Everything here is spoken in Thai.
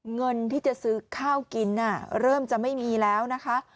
เงินที่จะซื้อข้าวกินเริ่มจะไม่มีแล้วนะคะ